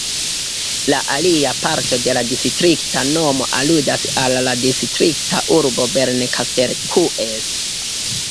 La alia parto de la distrikta nomo aludas al la distrikta urbo Bernkastel-Kues.